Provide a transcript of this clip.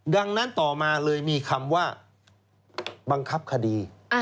ดังนั้นต่อมาเลยมีคำว่าบังคับคดี